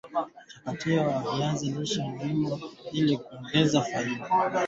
uchakataji wa viazi lishe ni muhimu ili kuongeza faida